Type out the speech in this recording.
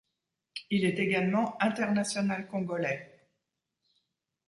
Il est également international congolais.